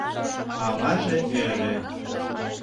— аваже ӧрӧ.